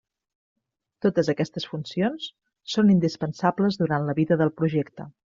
Totes aquestes funcions són indispensables durant la vida del projecte.